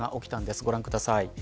ご覧ください。